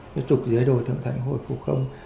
cái trục dưới đồi thượng thận có hồi phục không